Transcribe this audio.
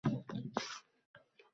Juda soz..